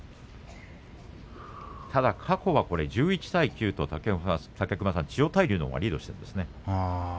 過去の対戦は１１対９と千代大龍のほうがリードしていますね。